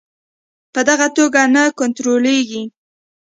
په دغه توګه نه کنټرولیږي.